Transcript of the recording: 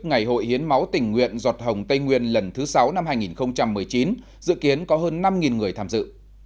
ngày hội hiến máu tình nguyện giọt hồng tây nguyên lần thứ sáu năm hai nghìn một mươi chín dự kiến có hơn năm người tham dự